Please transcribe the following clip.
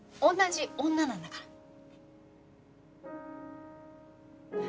同じ女なんだから。